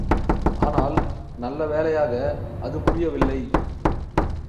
ஆனால், நல்லவேளையாக அது முரியவில்லை.